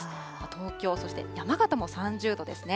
東京、そして山形も３０度ですね。